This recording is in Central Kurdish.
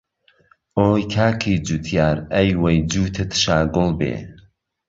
ئۆی کاکی جووتیار، ئهی وهی جووتت شاگوڵ بێ